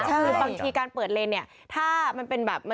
คือบางทีการเปิดเลนเนี่ยถ้ามันเป็นแบบ